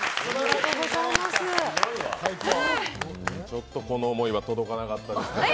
ちょっとこの思いは届かなかったんですけど。